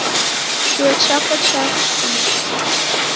Chuo chapo chasi..